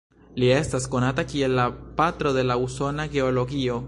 Li estas konata kiel la 'patro de la usona geologio'.